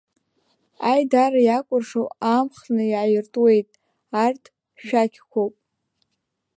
Аидара иакәыршоу аамхны иааиртуеит арҭ шәақьқәоуп.